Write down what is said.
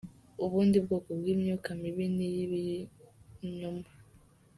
Ubundi bwoko bw’imyuka mibi ni iy’ibinyoma.